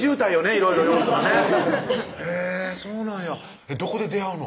いろいろ要素がねへぇそうなんやどこで出会うの？